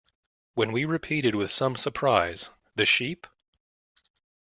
When we repeated, with some surprise, "The sheep?"